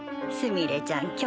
すみれちゃん